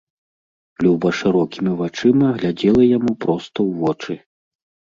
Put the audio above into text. Люба шырокімі вачыма глядзела яму проста ў вочы.